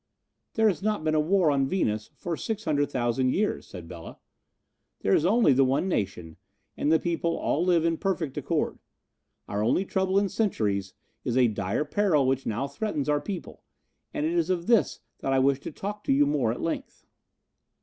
"There has not been war on Venus for 600,000 years," said Bela. "There is only the one nation, and the people all live in perfect accord. Our only trouble in centuries is a dire peril which now threatens our people, and it is of this that I wish to talk to you more at length."